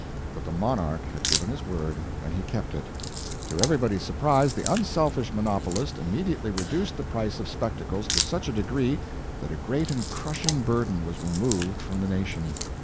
But the monarch had given his word, and he kept it. To everybody's surprise, the unselfish monopolist immediately reduced the price of spectacles to such a degree that a great and crushing burden was removed from the nation.